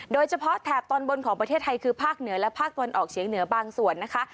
แถบตอนบนของประเทศไทยคือภาคเหนือและภาคตะวันออกเฉียงเหนือบางส่วนนะคะ